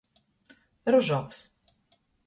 Ružovs.